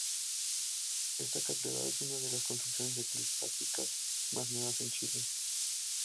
Esta catedral es una de las construcciones eclesiásticas más nuevas en Chile.